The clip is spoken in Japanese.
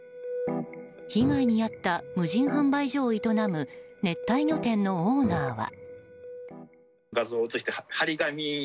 被害に遭った無人販売所を営む熱帯魚店のオーナーは。